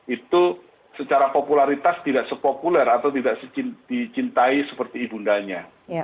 itu secara popularitas tidak sepopuler atau tidak dicintai seperti ibu undanya